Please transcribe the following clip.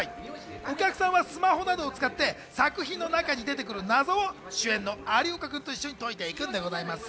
お客さんはスマホなどを使って作品の中に出てくる謎を主演の有岡くんと一緒に解いていくんです。